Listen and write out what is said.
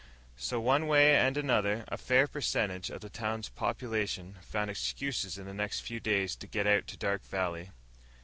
So, one way and another, a fair percentage of the town's population found excuses in the next few days to get out to Dark Valley.